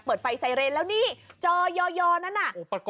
เปิดไฟไซเรนแล้วนี่จอยอยอนั่นน่ะ